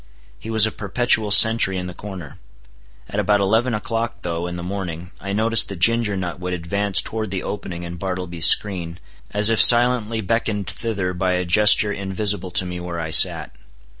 He was a perpetual sentry in the corner. At about eleven o'clock though, in the morning, I noticed that Ginger Nut would advance toward the opening in Bartleby's screen, as if silently beckoned thither by a gesture invisible to me where I sat.